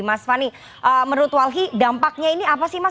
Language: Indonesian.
mas fani menurut walhi dampaknya ini apa sih mas